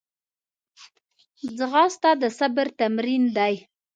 ځغاسته د صبر تمرین دی